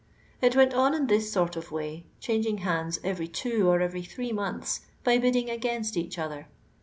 It went on in this sort of way,— changing hands every two or every three months, by bidding against each other.